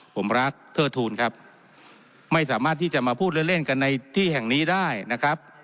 ผมรักเทิดทูลครับไม่สามารถที่จะมาพูดเล่นเล่นกันในที่แห่งนี้ได้นะครับ